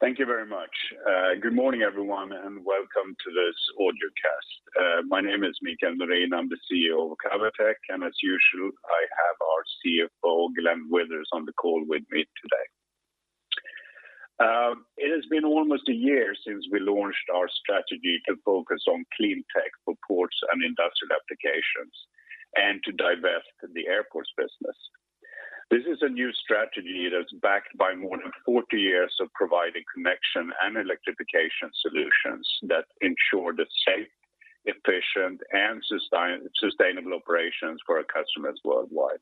Thank you very much. Good morning everyone and welcome to this audio cast. My name is Mikael Norin, I'm the CEO of Cavotec, and as usual, I have our CFO, Glenn Withers, on the call with me today. It has been almost a year since we launched our strategy to focus on clean tech for ports and industrial applications and to divest the airports business. This is a new strategy that's backed by more than 40 years of providing connection and electrification solutions that ensure the safe, efficient, and sustainable operations for our customers worldwide.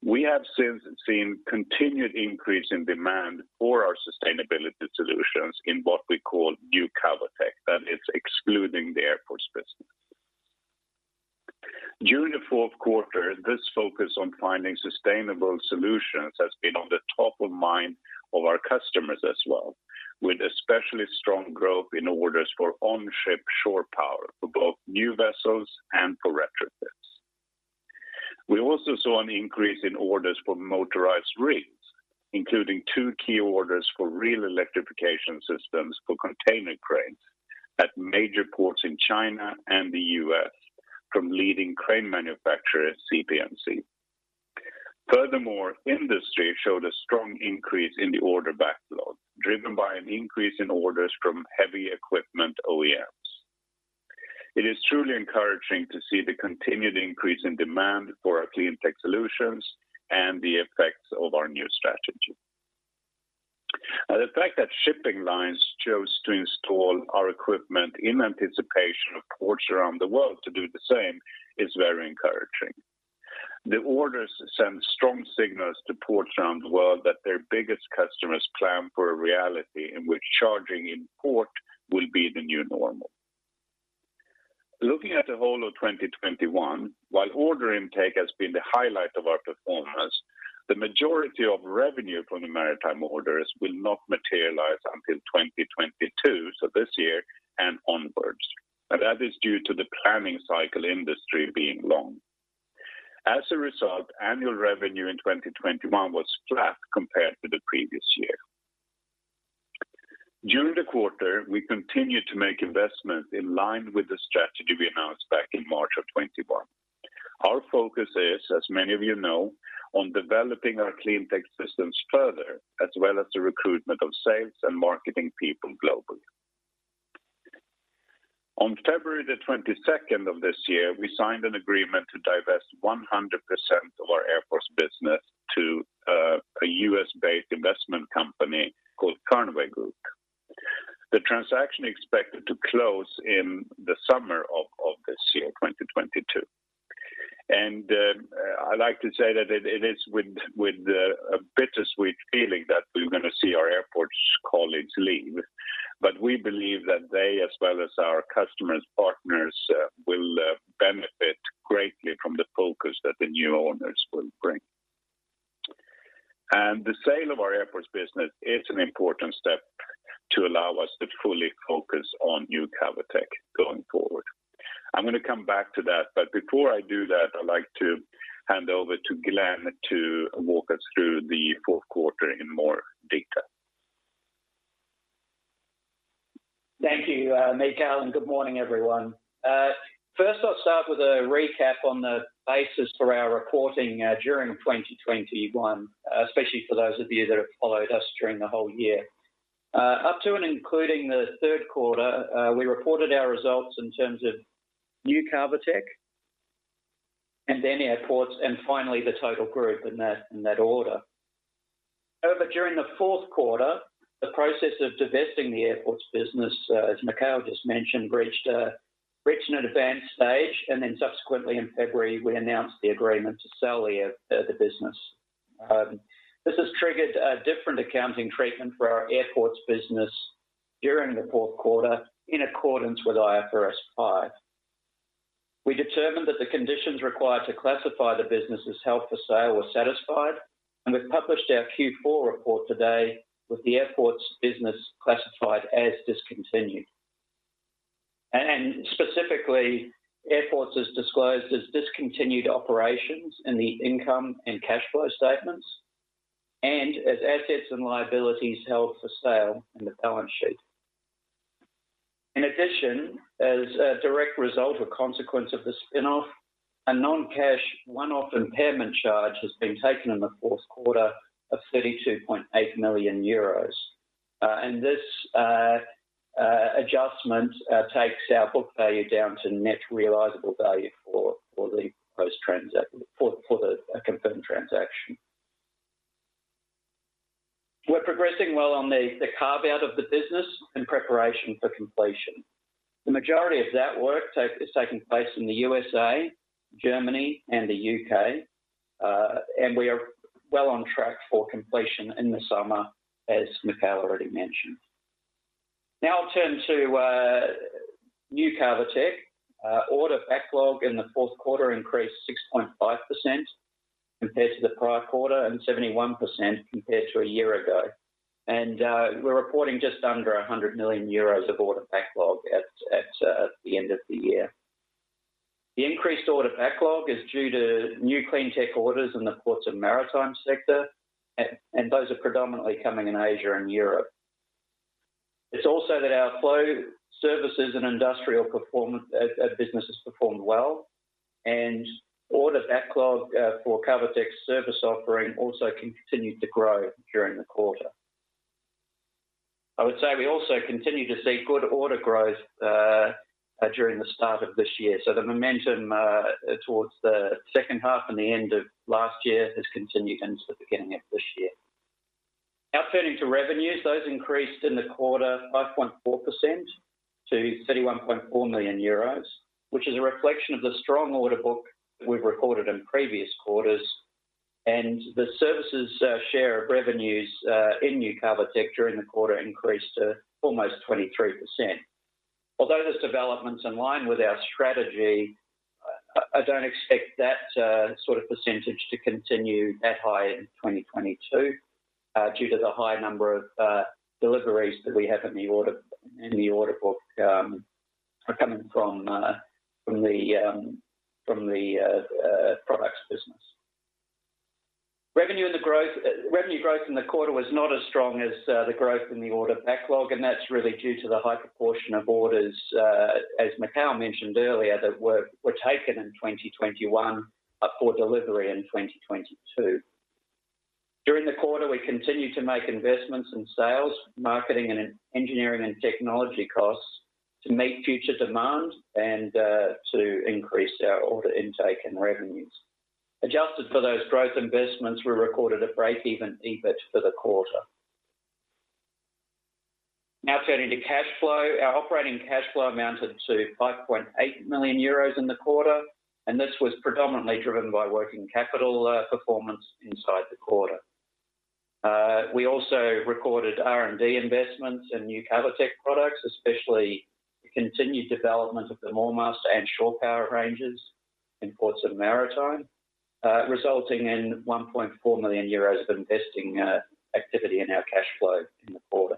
We have since seen continued increase in demand for our sustainability solutions in what we call New Cavotec, that is excluding the airports business. During the fourth quarter, this focus on finding sustainable solutions has been top of mind of our customers as well, with especially strong growth in orders for on-ship ShorePower for both new vessels and for retrofits. We also saw an increase in orders for motorized reels, including two key orders for reel electrification systems for container cranes at major ports in China and the U.S. from leading crane manufacturer ZPMC. Furthermore, industry showed a strong increase in the order backlog, driven by an increase in orders from heavy equipment OEMs. It is truly encouraging to see the continued increase in demand for our clean tech solutions and the effects of our new strategy. The fact that shipping lines chose to install our equipment in anticipation of ports around the world to do the same is very encouraging. The orders send strong signals to ports around the world that their biggest customers plan for a reality in which charging in port will be the new normal. Looking at the whole of 2021, while order intake has been the highlight of our performance, the majority of revenue from the maritime orders will not materialize until 2022, so this year, and onwards. That is due to the planning cycle industry being long. As a result, annual revenue in 2021 was flat compared to the previous year. During the quarter, we continued to make investments in line with the strategy we announced back in March 2021. Our focus is, as many of you know, on developing our clean tech systems further, as well as the recruitment of sales and marketing people globally. On February the twenty-second of this year, we signed an agreement to divest 100% of our airports business to a U.S.-based investment company called Fernweh Group. The transaction expected to close in the summer of this year, 2022. I'd like to say that it is with a bittersweet feeling that we're gonna see our airports colleagues leave. We believe that they, as well as our customers, partners, will benefit greatly from the focus that the new owners will bring. The sale of our airports business is an important step to allow us to fully focus on New Cavotec going forward. I'm gonna come back to that, but before I do that, I'd like to hand over to Glenn to walk us through the fourth quarter in more detail. Thank you, Mikael, and good morning, everyone. First I'll start with a recap on the basis for our reporting during 2021, especially for those of you that have followed us during the whole year. Up to and including the third quarter, we reported our results in terms of New Cavotec and then Airports and finally the total group in that order. However, during the fourth quarter, the process of divesting the Airports business, as Mikael just mentioned, reached an advanced stage, and then subsequently in February, we announced the agreement to sell the business. This has triggered a different accounting treatment for our Airports business during the fourth quarter in accordance with IFRS 5. We determined that the conditions required to classify the business as held for sale were satisfied, and we've published our Q4 report today with the Airports business classified as discontinued. Specifically, Airports is disclosed as discontinued operations in the income and cash flow statements and as assets and liabilities held for sale in the balance sheet. In addition, as a direct result or consequence of the spin-off, a non-cash one-off impairment charge has been taken in the fourth quarter of 32.8 million euros. This adjustment takes our book value down to net realizable value for the post-transaction for a confirmed transaction. We're progressing well on the carve-out of the business in preparation for completion. The majority of that work has taken place in the U.S., Germany, and the U.K., and we are well on track for completion in the summer, as Mikael already mentioned. Now I'll turn to New Cavotec. Order backlog in the fourth quarter increased 6.5% compared to the prior quarter and 71% compared to a year ago. We're reporting just under 100 million euros of order backlog at the end of the year. The increased order backlog is due to new clean tech orders in the Ports & Maritime sector, and those are predominantly coming in Asia and Europe. It's also that our flow services and industrial performance business has performed well, and order backlog for Cavotec service offering also continued to grow during the quarter. I would say we also continue to see good order growth during the start of this year. The momentum towards the second half and the end of last year has continued into the beginning of this year. Now turning to revenues, those increased in the quarter 5.4% to 31.4 million euros, which is a reflection of the strong order book we've recorded in previous quarters. The services share of revenues in New Cavotec during the quarter increased to almost 23%. Although this development's in line with our strategy, I don't expect that sort of percentage to continue that high in 2022 due to the high number of deliveries that we have in the order book are coming from the products business. Revenue growth in the quarter was not as strong as the growth in the order backlog, and that's really due to the high proportion of orders, as Mikael mentioned earlier, that were taken in 2021 for delivery in 2022. During the quarter, we continued to make investments in sales, marketing and engineering and technology costs to meet future demand and to increase our order intake and revenues. Adjusted for those growth investments, we recorded a break-even EBIT for the quarter. Now turning to cash flow. Our operating cash flow amounted to 5.8 million euros in the quarter, and this was predominantly driven by working capital performance inside the quarter. We also recorded R&D investments in New Cavotec products, especially the continued development of the MoorMaster and ShorePower ranges in Ports and Maritime, resulting in 1.4 million euros of investing activity in our cash flow in the quarter.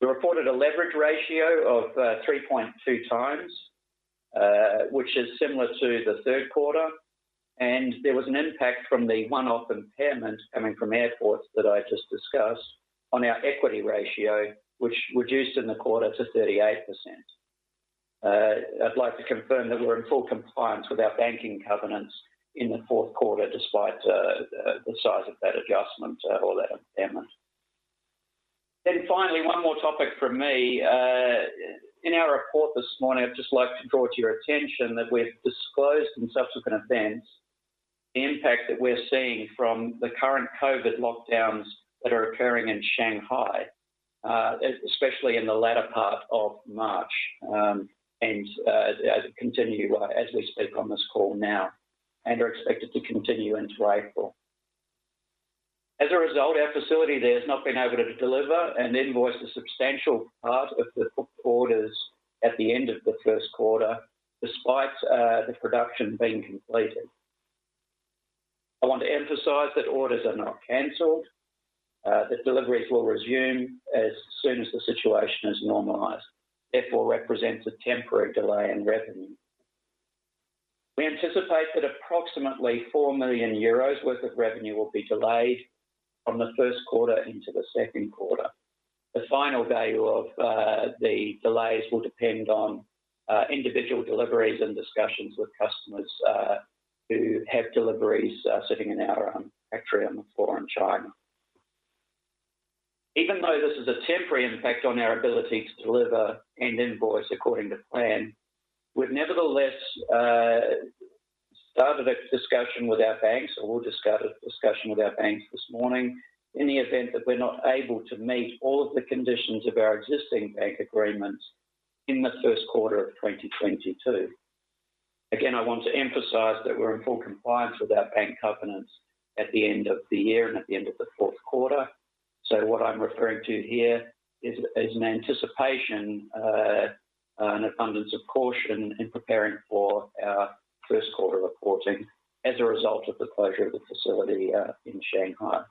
We reported a leverage ratio of 3.2x, which is similar to the third quarter, and there was an impact from the one-off impairment coming from Airports that I just discussed on our equity ratio, which reduced in the quarter to 38%. I'd like to confirm that we're in full compliance with our banking covenants in the fourth quarter, despite the size of that adjustment or that impairment. Finally, one more topic from me. In our report this morning, I'd just like to draw to your attention that we've disclosed in subsequent events the impact that we're seeing from the current COVID lockdowns that are occurring in Shanghai, especially in the latter part of March, and as we speak on this call now, and are expected to continue into April. As a result, our facility there has not been able to deliver and invoice the substantial part of the booked orders at the end of the first quarter, despite the production being completed. I want to emphasize that orders are not canceled, that deliveries will resume as soon as the situation is normalized, therefore represents a temporary delay in revenue. We anticipate that approximately 4 million euros worth of revenue will be delayed from the first quarter into the second quarter. The final value of the delays will depend on individual deliveries and discussions with customers who have deliveries sitting in our factory on the floor in China. Even though this is a temporary impact on our ability to deliver and invoice according to plan, we've nevertheless started a discussion with our banks, or will start a discussion with our banks this morning in the event that we're not able to meet all of the conditions of our existing bank agreements in the first quarter of 2022. Again, I want to emphasize that we're in full compliance with our bank covenants at the end of the year and at the end of the fourth quarter. What I'm referring to here is an anticipation, an abundance of caution in preparing for our first quarter reporting as a result of the closure of the facility in Shanghai.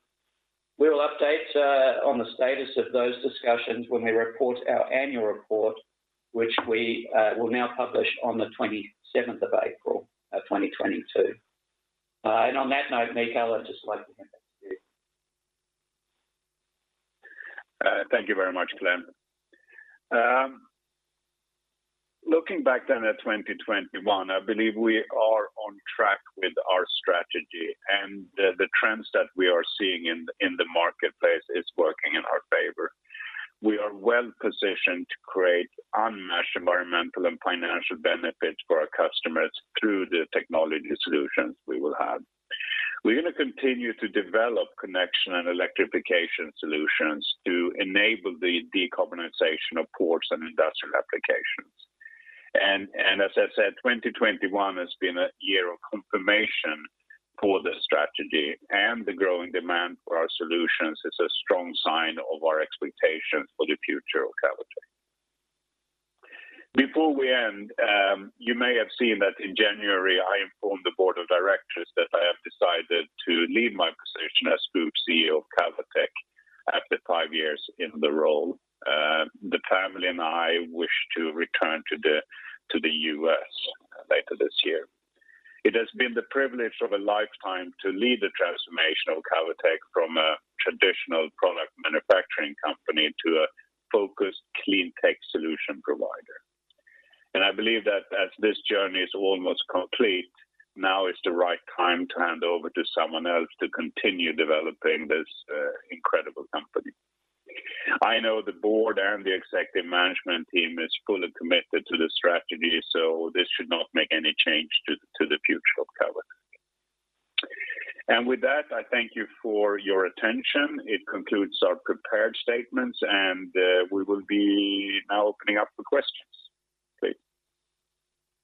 We will update on the status of those discussions when we report our annual report, which we will now publish on the 27th of April, 2022. On that note, Mikael, I'd just like to hand back to you. Thank you very much, Clem. Looking back then at 2021, I believe we are on track with our strategy, and the trends that we are seeing in the marketplace is working in our favor. We are well-positioned to create unmatched environmental and financial benefits for our customers through the technology solutions we will have. We're gonna continue to develop connection and electrification solutions to enable the decarbonization of ports and industrial applications. As I said, 2021 has been a year of confirmation for the strategy, and the growing demand for our solutions is a strong sign of our expectations for the future of Cavotec. Before we end, you may have seen that in January, I informed the board of directors that I have decided to leave my position as Group CEO of Cavotec. After five years in the role, the family and I wish to return to the U.S. later this year. It has been the privilege of a lifetime to lead the transformation of Cavotec from a traditional product manufacturing company to a focused clean tech solution provider. I believe that as this journey is almost complete, now is the right time to hand over to someone else to continue developing this incredible company. I know the board and the executive management team is fully committed to this strategy, so this should not make any change to the future of Cavotec. With that, I thank you for your attention. It concludes our prepared statements, and we will be now opening up for questions.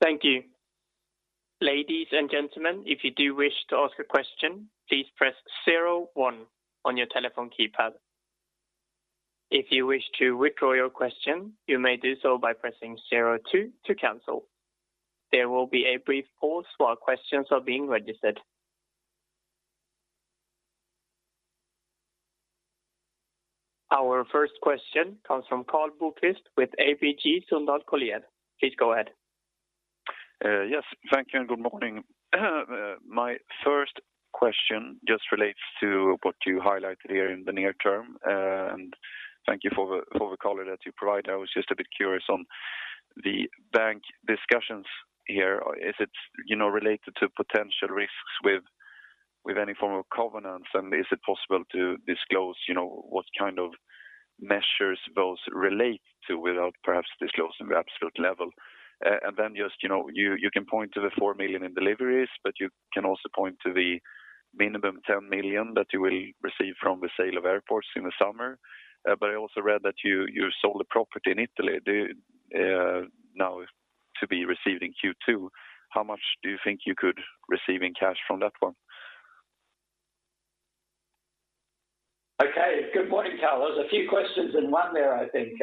Please. Our first question comes from Karl Bokvist with ABG Sundal Collier. Please go ahead. Yes. Thank you and good morning. My first question just relates to what you highlighted here in the near term. Thank you for the color that you provided. I was just a bit curious on the bank discussions here. Is it, you know, related to potential risks with any form of covenants? Is it possible to disclose, you know, what kind of measures those relate to without perhaps disclosing the absolute level? You can point to the 4 million in deliveries, but you can also point to the minimum 10 million that you will receive from the sale of Airports in the summer. I also read that you sold a property in Italy due now to be received in Q2. How much do you think you could receive in cash from that one? Okay. Good morning, Karl. There's a few questions in one there, I think.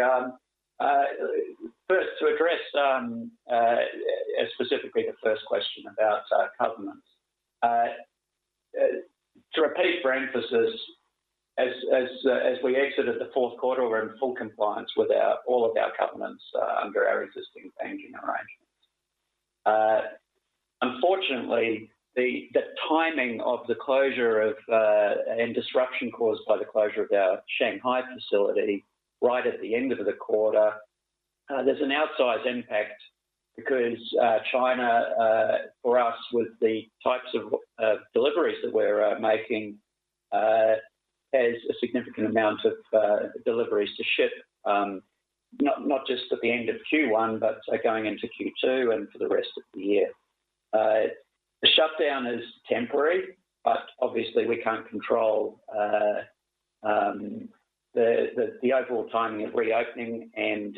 First, to address specifically the first question about covenants. To repeat for emphasis, as we exited the fourth quarter, we're in full compliance with all of our covenants under our existing banking arrangements. Unfortunately, the timing of the closure and disruption caused by the closure of our Shanghai facility right at the end of the quarter, there's an outsized impact because China, for us with the types of deliveries that we're making, has a significant amount of deliveries to ship, not just at the end of Q1, but going into Q2 and for the rest of the year. The shutdown is temporary, but obviously we can't control the overall timing of reopening and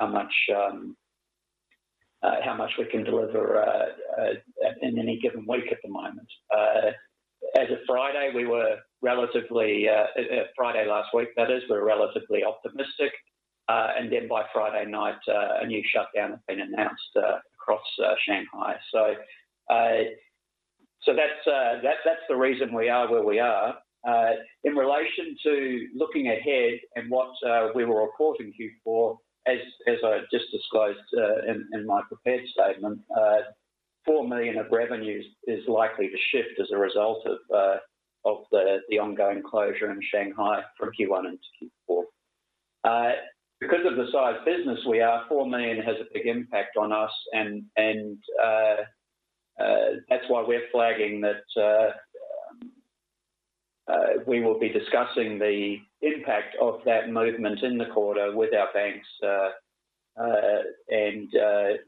how much we can deliver in any given week at the moment. As of Friday last week, that is, we were relatively optimistic. By Friday night, a new shutdown had been announced across Shanghai. That's the reason we are where we are. In relation to looking ahead and what we were reporting Q4, as I just disclosed in my prepared statement, 4 million of revenues is likely to shift as a result of the ongoing closure in Shanghai from Q1 into Q4. Because of the size of the business we are, 4 million has a big impact on us and that's why we're flagging that we will be discussing the impact of that movement in the quarter with our banks and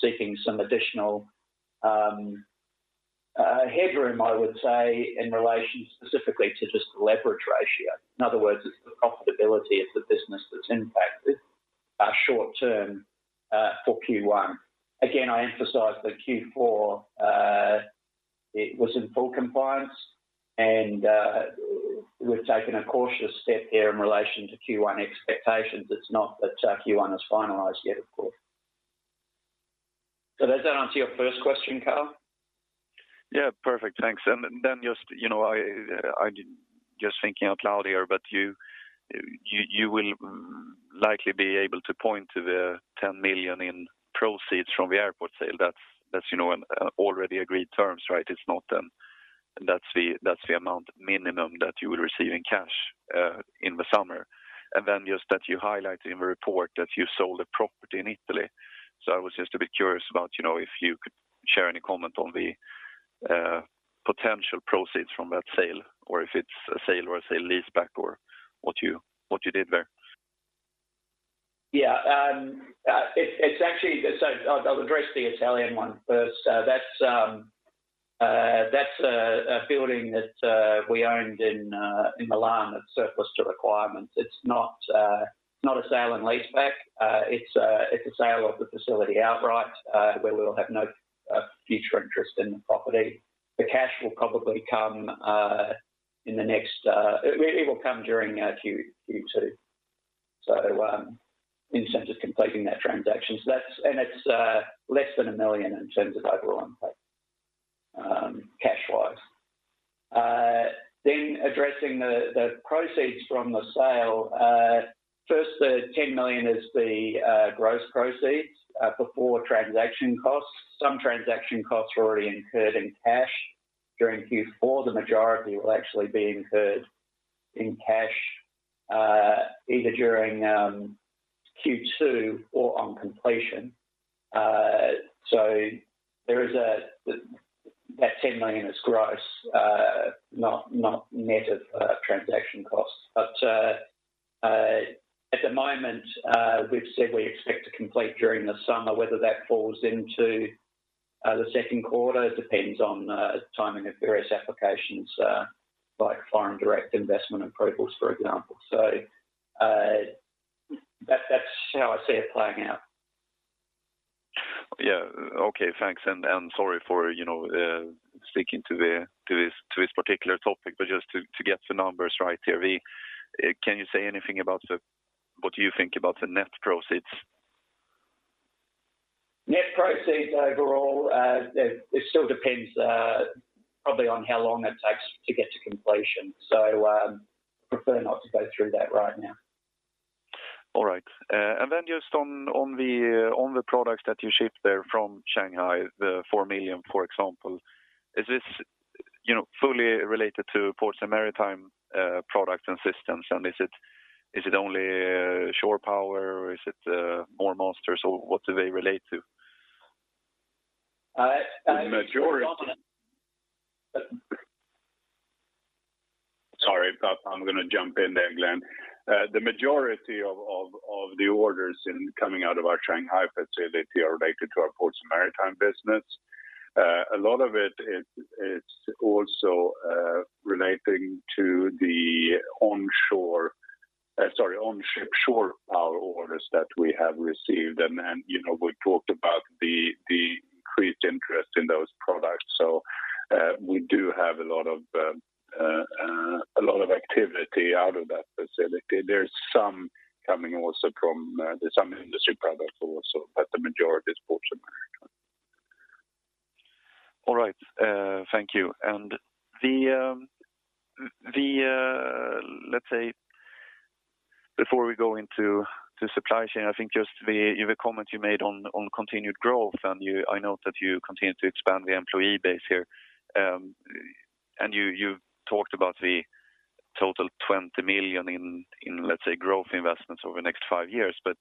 seeking some additional headroom, I would say, in relation specifically to just the leverage ratio. In other words, it's the profitability of the business that's impacted short term for Q1. Again, I emphasize that Q4, it was in full compliance and we've taken a cautious step here in relation to Q1 expectations. It's not that Q1 is finalized yet, of course. Does that answer your first question, Karl? Yeah. Perfect. Thanks. Then just, you know, I just thinking out loud here, but you will likely be able to point to the 10 million in proceeds from the airport sale. That's, you know, an already agreed terms, right? It's not, that's the minimum amount that you will receive in cash in the summer. Then just that you highlighted in the report that you sold a property in Italy. I was just a bit curious about, you know, if you could share any comment on the potential proceeds from that sale or if it's a sale or a sale-leaseback or what you did there. I'll address the Italian one first. That's a building that we owned in Milan that's surplus to requirements. It's not a sale and leaseback. It's a sale of the facility outright, where we'll have no future interest in the property. The cash will really come during Q2 in terms of completing that transaction. It's less than 1 million in terms of overall impact, cash wise. Addressing the proceeds from the sale, first the 10 million is the gross proceeds before transaction costs. Some transaction costs were already incurred in cash during Q4. The majority will actually be incurred in cash, either during Q2 or on completion. That 10 million is gross, not net of transaction costs. At the moment, we've said we expect to complete during the summer. Whether that falls into the second quarter depends on timing of various applications, like foreign direct investment approvals, for example. That's how I see it playing out. Yeah. Okay. Thanks. Sorry for, you know, sticking to this particular topic, but just to get the numbers right here. What do you think about the net proceeds? Net proceeds overall, it still depends, probably on how long it takes to get to completion. Prefer not to go through that right now. All right. Then just on the products that you ship there from Shanghai, 4 million, for example, is this you know fully related to Ports & Maritime products and systems? Is it only ShorePower, or is it more MoorMasters or what do they relate to? The majority Sorry, but I'm gonna jump in there, Glenn. The majority of the orders coming out of our Shanghai facility are related to our Ports & Maritime business. A lot of it is also relating to the on-ship ShorePower orders that we have received. You know, we talked about the increased interest in those products. We do have a lot of activity out of that facility. There's some coming also from some industry products also, but the majority is Ports & Maritime. All right. Thank you. Let's say before we go into the supply chain, I think just the comment you made on continued growth, and I know that you continue to expand the employee base here. You talked about the total 20 million in, let's say, growth investments over the next five years, but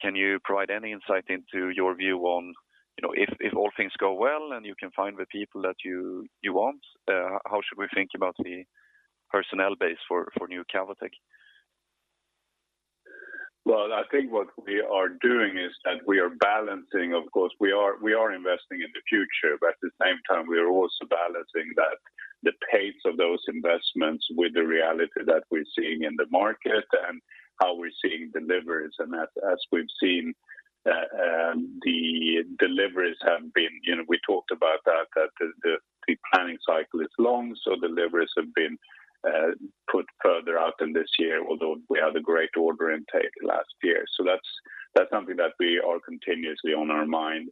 can you provide any insight into your view on, you know, if all things go well and you can find the people that you want, how should we think about the personnel base for New Cavotec? Well, I think what we are doing is that we are balancing. Of course, we are investing in the future, but at the same time we are also balancing that, the pace of those investments with the reality that we're seeing in the market and how we're seeing deliveries. We've seen the deliveries have been, you know, we talked about that the planning cycle is long, so deliveries have been put further out in this year, although we had a great order intake last year. That's something that we are continuously on our mind.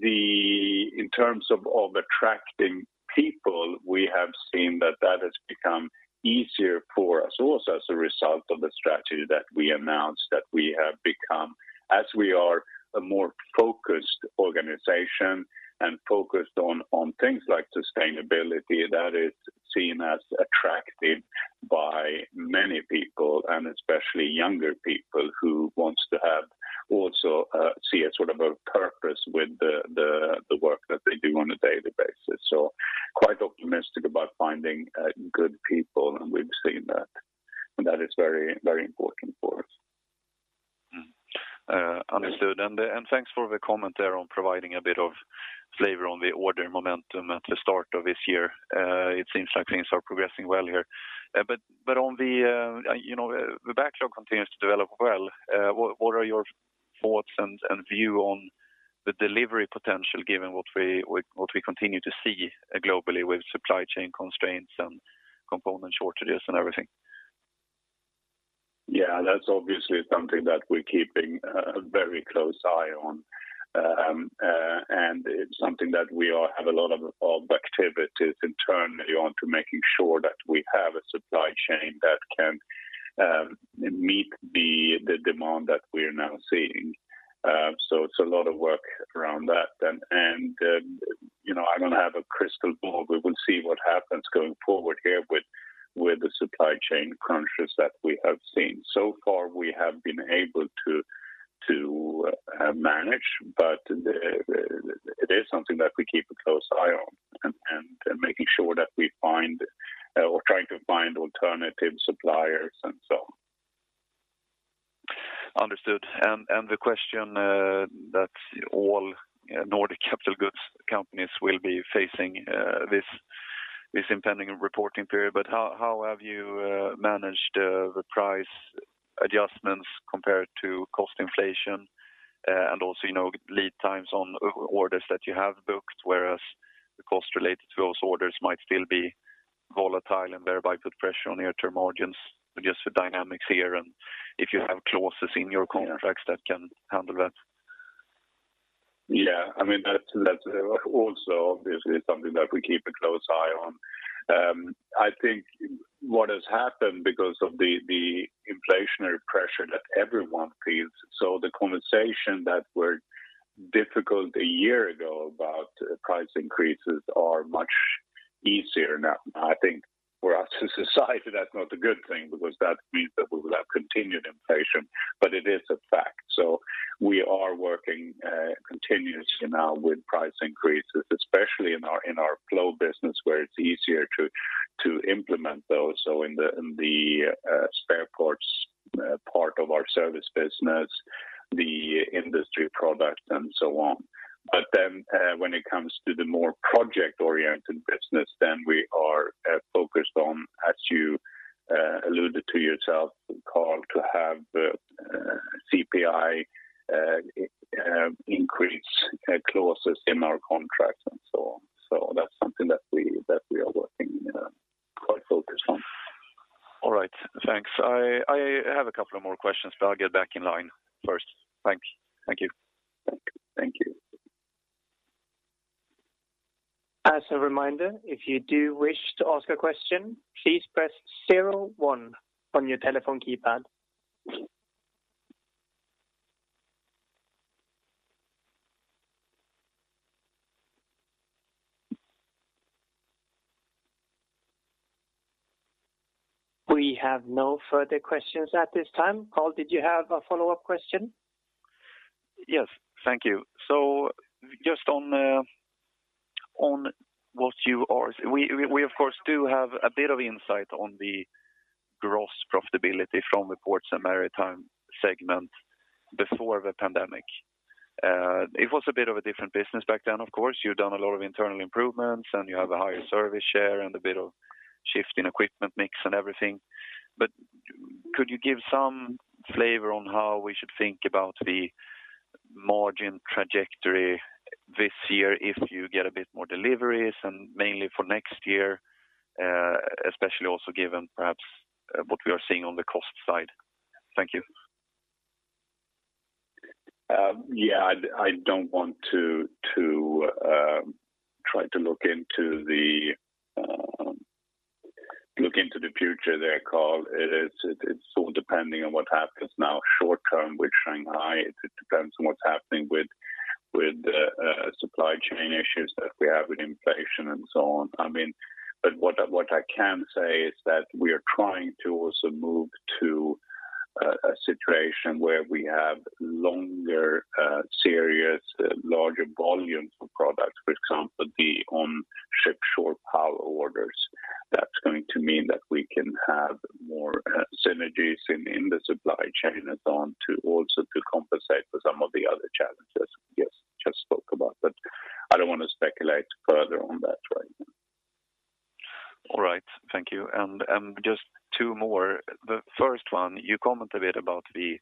In terms of attracting people, we have seen that has become easier for us also as a result of the strategy that we announced, that we have become, as we are, a more focused organization and focused on things like sustainability that is seen as attractive by many people, and especially younger people who wants to have also see a sort of a purpose with the work that they do on a daily basis. Quite optimistic about finding good people, and we've seen that, and that is very, very important for us. Understood. Thanks for the comment there on providing a bit of flavor on the order momentum at the start of this year. It seems like things are progressing well here. On the, you know, the backlog continues to develop well. What are your thoughts and view on the delivery potential given what we continue to see globally with supply chain constraints and component shortages and everything? Yeah, that's obviously something that we're keeping a very close eye on. It's something that we all have a lot of activities internally on to making sure that we have a supply chain that can meet the demand that we're now seeing. It's a lot of work around that. You know, I don't have a crystal ball. We will see what happens going forward here with the supply chain crunches that we have seen. So far we have been able to manage, but it is something that we keep a close eye on and making sure that we find or trying to find alternative suppliers and so on. Understood. The question that all Nordic capital goods companies will be facing this impending reporting period. How have you managed the price adjustments compared to cost inflation? Also, you know, lead times on orders that you have booked, whereas the cost related to those orders might still be volatile and thereby put pressure on near-term margins. Just the dynamics here and if you have clauses in your contracts that can handle that. Yeah. I mean, that's also obviously something that we keep a close eye on. I think what has happened because of the inflationary pressure that everyone feels. The conversation that were difficult a year ago about price increases are much easier now. I think for us as a society, that's not a good thing because that means that we will have continued inflation, but it is a fact. We are working continuously now with price increases, especially in our flow business where it's easier to implement those. In the spare parts part of our service business, the industry products and so on. When it comes to the more project-oriented business, then we are focused on, as you alluded to yourself, Karl, to have the CPI increase clauses in our contracts and so on. That's something that we are working quite focused on. All right. Thanks. I have a couple of more questions, but I'll get back in line first. Thanks. Thank you. Thank you. We have no further questions at this time. Karl, did you have a follow-up question? Yes. Thank you. Just on what you are. We of course do have a bit of insight on the gross profitability from the Ports & Maritime segment before the pandemic. It was a bit of a different business back then, of course. You've done a lot of internal improvements and you have a higher service share and a bit of shift in equipment mix and everything. Could you give some flavor on how we should think about the margin trajectory this year if you get a bit more deliveries and mainly for next year, especially also given perhaps what we are seeing on the cost side? Thank you. Yeah, I don't want to try to look into the future there, Karl. It's all depending on what happens now short-term with Shanghai. It depends on what's happening with the supply chain issues that we have with inflation and so on. I mean, what I can say is that we are trying to also move to a situation where we have longer series, larger volumes of products. For example, the on-ship ShorePower orders. That's going to mean that we can have more synergies in the supply chain and so on to also compensate for some of the other challenges we just spoke about. I don't want to speculate further on that right now. All right. Thank you. Just two more. The first one, you comment a bit about the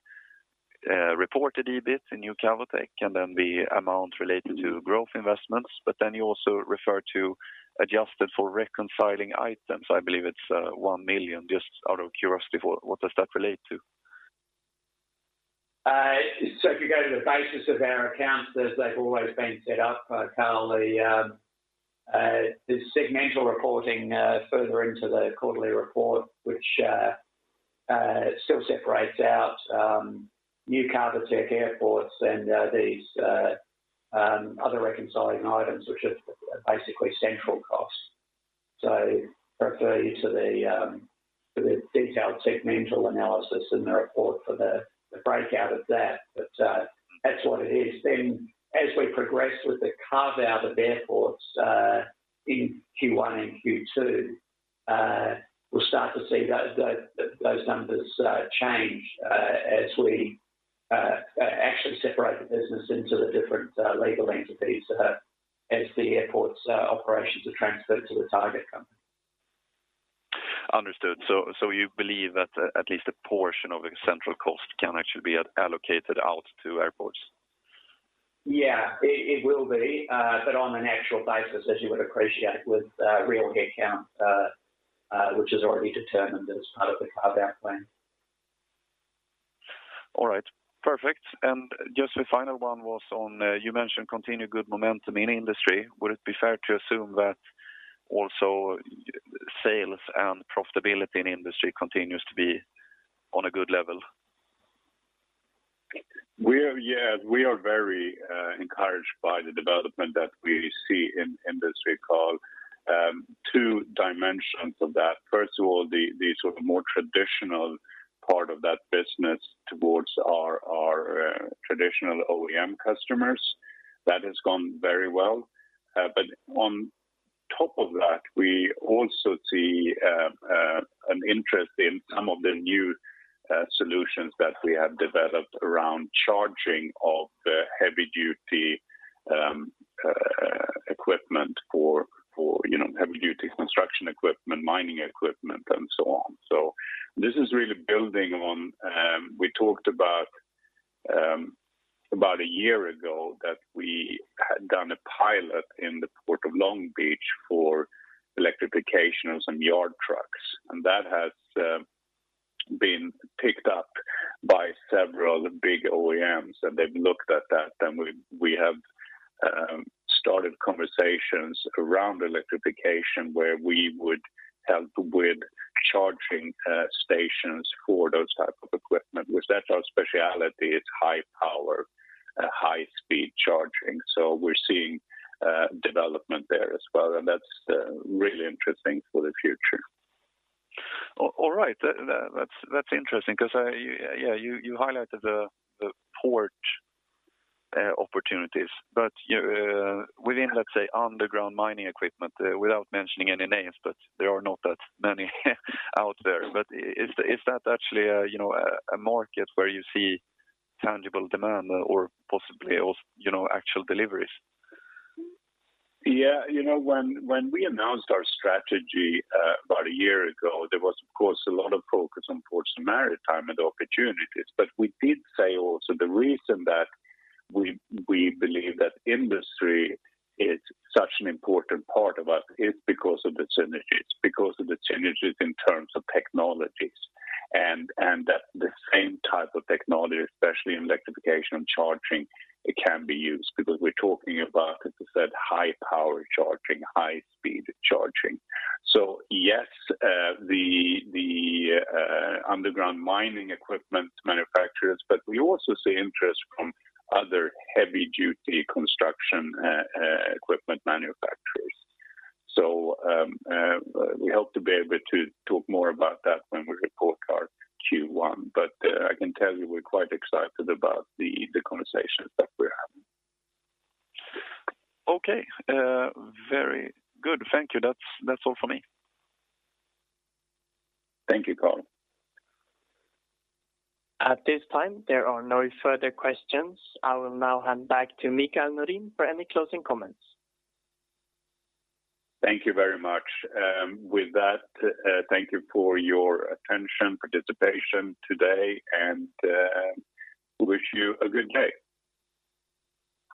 reported EBIT in New Cavotec, and then the amount related to growth investments. Then you also refer to adjusted for reconciling items. I believe it's 1 million. Just out of curiosity, what does that relate to? If you go to the basis of our accounts as they've always been set up, Karl, the segmental reporting further into the quarterly report, which still separates out New Cavotec Airports and these other reconciling items, which are basically central costs. Refer you to the detailed segmental analysis in the report for the breakout of that. That's what it is. As we progress with the carve-out of Airports in Q1 and Q2, we'll start to see those numbers change as we actually separate the business into the different legal entities as the airports operations are transferred to the target company. Understood. You believe that at least a portion of the central cost can actually be allocated out to airports? Yeah. It will be but on an actual basis, as you would appreciate with the reallocate count, which is already determined as part of the carve-out plan. All right. Perfect. Just the final one was on, you mentioned continued good momentum in industry. Would it be fair to assume that also sales and profitability in industry continues to be on a good level? We are very encouraged by the development that we see in industry, Karl. Two dimensions of that. First of all, the sort of more traditional part of that business towards our traditional OEM customers, that has gone very well. But on top of that, we also see an interest in some of the new solutions that we have developed around charging of the heavy duty equipment for you know heavy duty construction equipment, mining equipment and so on. This is really building on we talked about a year ago that we had done a pilot in the Port of Long Beach for electrification of some yard trucks. That has been picked up by several big OEMs, and they've looked at that. We have started conversations around electrification, where we would help with charging stations for those type of equipment. That's our specialty, it's high power, high speed charging. We're seeing development there as well, and that's really interesting for the future. All right. That's interesting 'cause yeah, you highlighted the port opportunities. Within, let's say, underground mining equipment, without mentioning any names, but there are not that many out there. Is that actually a you know a market where you see tangible demand or possibly of, you know, actual deliveries? Yeah. You know, when we announced our strategy, about a year ago, there was of course a lot of focus on Ports & Maritime and the opportunities. We did say also the reason that we believe that industry is such an important part of us is because of the synergies in terms of technologies. That the same type of technology, especially in electrification and charging, it can be used. Because we're talking about, as I said, high power charging, high speed charging. Yes, the underground mining equipment manufacturers, but we also see interest from other heavy duty construction equipment manufacturers. We hope to be able to talk more about that when we report our Q1. I can tell you we're quite excited about the conversations that we're having. Okay. Very good. Thank you. That's all for me. Thank you, Karl. At this time, there are no further questions. I will now hand back to Mikael Norin for any closing comments. Thank you very much. With that, thank you for your attention, participation today, and wish you a good day.